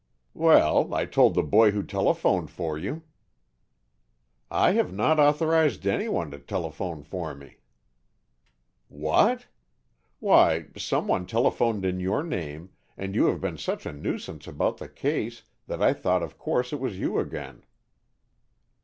_" "Well, I told the boy who telephoned for you." "I have not authorized anyone to telephone for me. "What? Why, someone telephoned in your name, and you have been such a nuisance about the case that I thought of course it was you again."